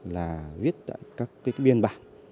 là viết tại các cái biên bản